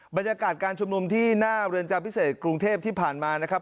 บรรยากาศการชุมนุมที่หน้าเรือนจำพิเศษกรุงเทพที่ผ่านมานะครับ